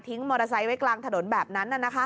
มอเตอร์ไซค์ไว้กลางถนนแบบนั้น